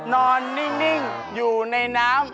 นอนนิ่งอยู่ในน้ำ